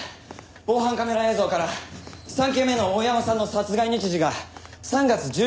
防犯カメラ映像から３件目の大山さんの殺害日時が３月１７日と判明しました。